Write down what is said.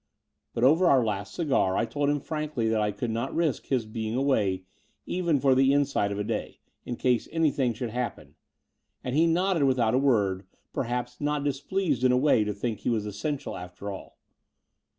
But over our last cigar I told him frankly that I could not risk his being away even for the inside of a day, in case anything should happen: and. he nodded without a word, perhaps not displeased in a way to think he was essential after all.